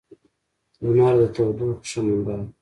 • لمر د تودوخې ښه منبع ده.